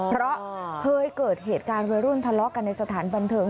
เพราะเคยเกิดเหตุการณ์วัยรุ่นทะเลาะกันในสถานบันเทิง